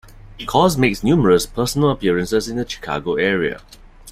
Koz makes numerous personal appearances in the Chicago area.